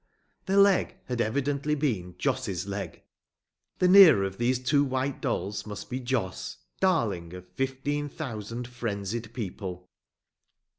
The leg had evidently been Jos's leg. The nearer of these two white dolls must be Jos, darling of fifteen thousand frenzied people.